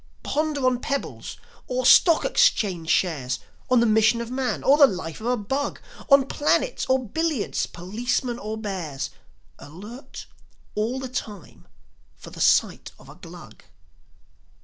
Ponder on pebbles or stock exchange shares, On the mission of man or the life of a bug, On planets or billiards, policemen or bears, Alert all the time for the sight of a Glug.